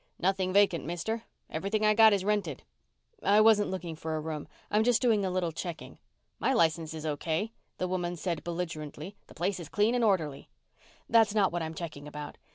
"Nothing vacant, mister. Everything I've got is rented." "I wasn't looking for a room. I'm just doing a little checking." "My license is okay," the woman said belligerently. "The place is clean and orderly." "That's not what I'm checking about.